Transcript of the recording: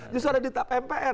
justru ada di tap mpr